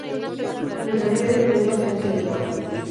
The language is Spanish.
Biografía de Pedro Sánchez de la Hoz